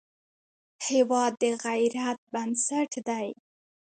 هېواد د غیرت بنسټ دی.